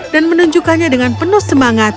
dan menunjukkannya dengan penuh semangat